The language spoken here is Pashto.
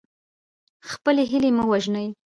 خپلې هیلې مه وژنئ.